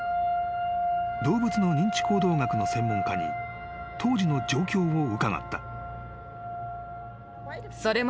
［動物の認知行動学の専門家に当時の状況を伺った］